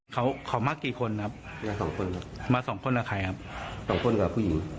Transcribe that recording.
เขาเขามากี่คนครับเจอสองคนครับมาสองคนกับใครครับสองคนกับผู้หญิง